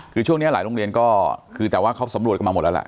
คือช่วงนี้หลายโรงเรียนก็คือแต่ว่าเขาสำรวจกันมาหมดแล้วล่ะ